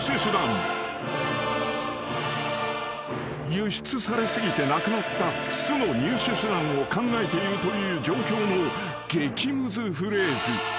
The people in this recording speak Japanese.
［輸出され過ぎてなくなった酢の入手手段を考えているという状況の激ムズフレーズ］